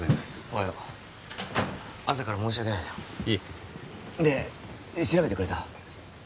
おはよう朝から申し訳ないないえで調べてくれた？